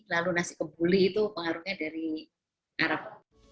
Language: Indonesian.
lalu nasi kebuli itu pengaruhnya dari arab